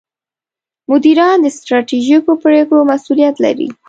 مدیران د ستراتیژیکو پرېکړو مسوولیت لري.